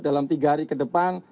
dalam tiga hari ke depan